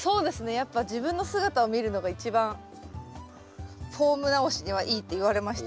やっぱ自分の姿を見るのが一番フォーム直しにはいいって言われました。